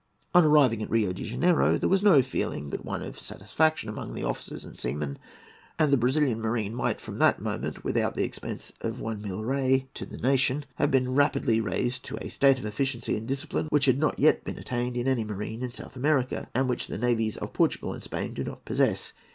On arriving at Rio de Janeiro, there was no feeling but one of satisfaction among the officers and seamen, and the Brazilian marine might from that moment, without the expense of one milrei to the nation, have been rapidly raised to a state of efficiency and discipline which had not yet been attained in any marine in South America, and which the navies of Portugal and Spain do not possess.